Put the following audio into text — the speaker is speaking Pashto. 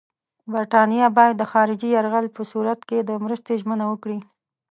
برټانیه باید د خارجي یرغل په صورت کې د مرستې ژمنه وکړي.